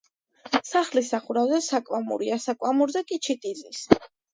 სახლის სახურავზე საკვამურია, სკვამურზე კი ჩიტი ზის.